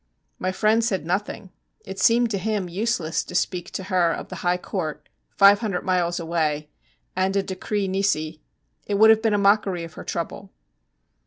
My friend said nothing. It seemed to him useless to speak to her of the High Court, five hundred miles away, and a decree nisi; it would have been a mockery of her trouble.